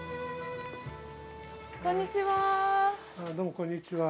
こんにちは。